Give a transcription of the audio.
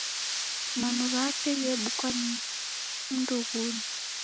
Manu ghape ghebukwa ni mdughunu.